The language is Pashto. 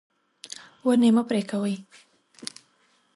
ونې مه پرې کوه.